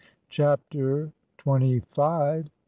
CHAPTER TWENTY FIVE.